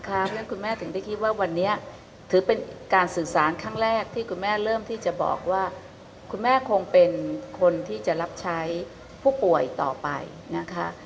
เพราะฉะนั้นคุณแม่ถึงได้คิดว่าวันนี้ถือเป็นการสื่อสารครั้งแรกที่คุณแม่เริ่มที่จะบอกว่าคุณแม่คงเป็นคนที่จะรับใช้ผู้ป่วยต่อไปนะคะ